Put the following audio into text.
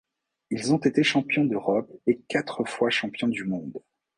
Ils ont été champions d'Europe et quatre fois champions du monde.